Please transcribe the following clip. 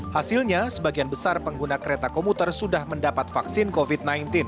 hasilnya sebagian besar pengguna kereta komuter sudah mendapat vaksin covid sembilan belas